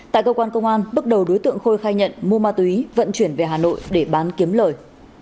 tại cơ quan công an bước đầu đối tượng khôi khai nhận mua ma túy vận chuyển về hà nội để bán kiếm lời